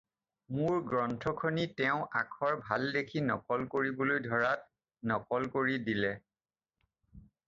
মােৰ গ্ৰন্থখনি তেওঁ আখৰ ভাল দেখি নকল কৰিবলৈ ধৰাত নকল কৰি দিলে।